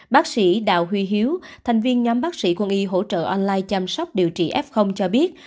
bác sĩ đào huy hiếu thành viên nhóm bác sĩ quân y hỗ trợ online chăm sóc điều trị f cho biết